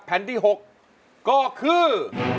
แผ่นที่๖ก็คือ